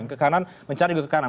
ke kanan mencari juga ke kanan